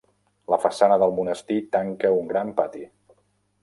La façana del monestir tanca un gran pati.